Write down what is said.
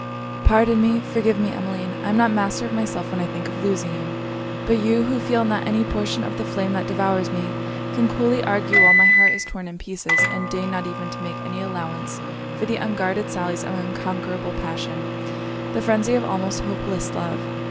'Pardon me! forgive me, Emmeline! I am not master of myself when I think of losing you! But you, who feel not any portion of the flame that devours me, can coolly argue, while my heart is torn in pieces; and deign not even to make any allowance for the unguarded sallies of unconquerable passion! the phrenzy of almost hopeless love!